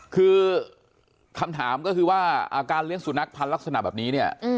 คือคำถามก็คือว่าการเลี้ยงสุนัขพันธ์ลักษณะแบบนี้เนี่ย